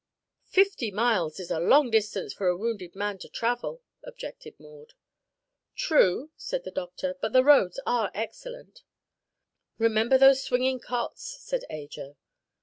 "Fifty miles is a long distance for a wounded man to travel," objected Maud. "True," said the doctor, "but the roads are excellent." "Remember those swinging cots," said Ajo.